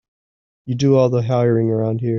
You do all the hiring around here.